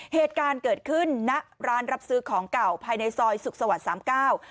เหตุการณ์เกิดขึ้นณร้านรับซื้อของเก่าภายในซอยสุขสวรรค์สามเก้า